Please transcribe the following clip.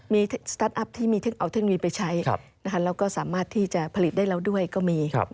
มีสตาร์ทอัพที่มีเอาเทคโนโลยีไปใช้แล้วก็สามารถที่จะผลิตได้แล้วด้วยก็มี